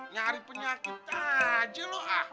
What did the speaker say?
nyari penyakit aja lo